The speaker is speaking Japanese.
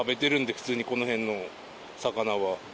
普通にこの辺の魚は。